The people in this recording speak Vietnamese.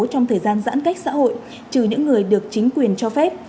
trong thời gian giãn cách xã hội trừ những người được chính quyền cho phép